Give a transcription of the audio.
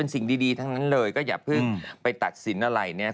สิ่งดีทั้งนั้นเลยก็อย่าเพิ่งไปตัดสินอะไรเนี่ย